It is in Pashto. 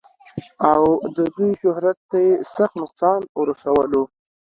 او د دوي شهرت تۀ ئې سخت نقصان اورسولو